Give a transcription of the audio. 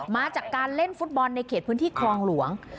มาจากการเล่นฟุตบอลในเขตพื้นที่คลองหลวง